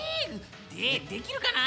できるかな？